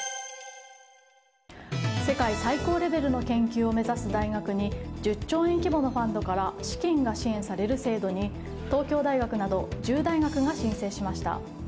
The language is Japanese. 世界最高レベルの研究を目指す大学に１０兆円規模のファンドから資金が支援される制度に東京大学など１０大学が申請しました。